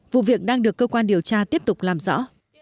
vụ việc đang được cơ quan điều tra tiếp tục làm rõ